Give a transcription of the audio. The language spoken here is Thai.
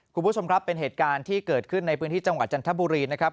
คุณผู้ชมครับเป็นเหตุการณ์ที่เกิดขึ้นในพื้นที่จังหวัดจันทบุรีนะครับ